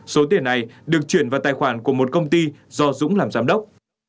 số tiền này được chuyển vào tài khoản của một công ty do dũng làm giám đốc